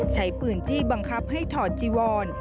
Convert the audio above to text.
ใช้ปืนจี้บังคับให้ถอดจีวอน